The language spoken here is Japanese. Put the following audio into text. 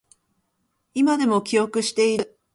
今でも記憶している